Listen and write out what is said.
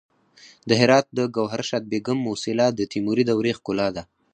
د هرات د ګوهرشاد بیګم موسیلا د تیموري دورې ښکلا ده